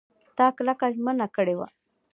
تا کلکه ژمنه کړې وه !